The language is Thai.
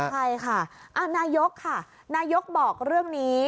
ใช่ค่ะนายกค่ะนายกบอกเรื่องนี้